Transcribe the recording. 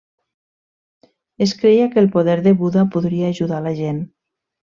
Es creia que el poder de Buda podria ajudar la gent.